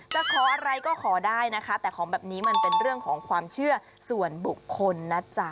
จะขออะไรก็ขอได้นะคะแต่ของแบบนี้มันเป็นเรื่องของความเชื่อส่วนบุคคลนะจ๊ะ